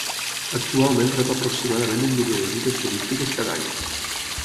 Actualment rep aproximadament un milió de visites turístiques cada any.